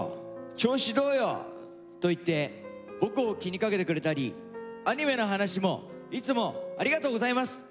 調子どうよ？』と言って僕を気にかけてくれたりアニメの話もいつもありがとうございます。